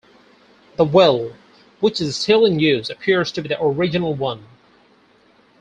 The well, which is still in use, appears to be the original one.